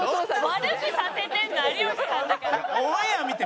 悪くさせてるの有吉さんだから。